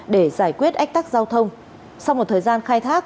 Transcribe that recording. để giải quyết ách tắc giao thông sau một thời gian khai thác